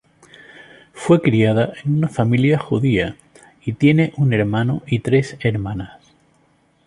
Fue criada en una familia Judía y tiene un hermano y tres hermanas.